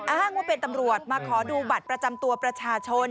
อ้างว่าเป็นตำรวจมาขอดูบัตรประจำตัวประชาชน